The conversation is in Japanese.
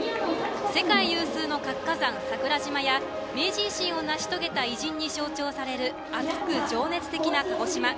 世界有数の活火山・桜島や明治維新を成し遂げた偉人に象徴される熱く情熱的な鹿児島。